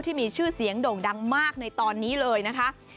ที่มีชื่อเสียงโด่งดังมากในตอนนี้เลยนะคะ